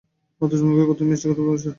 অথচ মুখে কতই মিষ্ট, কতই ভালোবাসা।